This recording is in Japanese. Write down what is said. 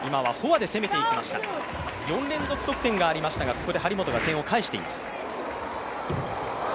４連続得点がありましたが、ここで張本が、点を返しています。